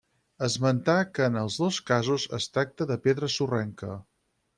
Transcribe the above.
Esmentar que en els dos casos es tracta de pedra sorrenca.